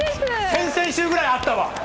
先々週ぐらいに会ったわ。